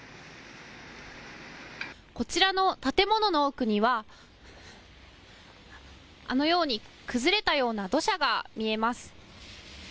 こちらの建物の奥にはあのように崩れたような土砂が見えます。